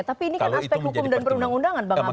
tapi ini kan aspek hukum dan perundang undangan bang abdu